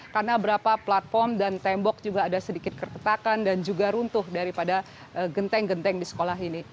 karena beberapa platform dan tembok juga ada sedikit ketetakan dan juga runtuh daripada genteng genteng di sekolah ini